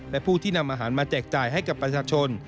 และผู้ที่นำอาหารมาแจกจ่ายให้กับประชาชน